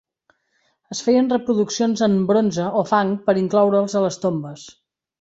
Es feien reproduccions en bronze o fang per incloure'ls a les tombes.